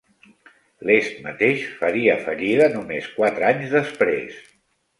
L'est mateix faria fallida només quatre anys després.